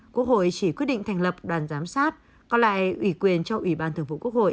quốc hội chỉ quyết định thành lập đoàn giám sát còn lại ủy quyền cho ủy ban thường vụ quốc hội